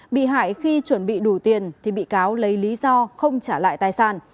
bị hại khi chuẩn bị đủ tiền thì bị cáo lấy lý do không trả lại tài sản